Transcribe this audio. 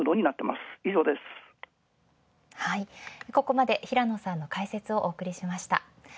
はい、ここまで平野さんの解説をお送りしました。